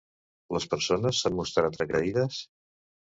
Les persones s'han mostrat agraïdes?